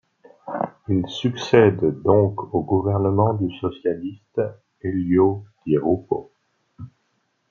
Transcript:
Il succède donc au gouvernement du socialiste Elio Di Rupo.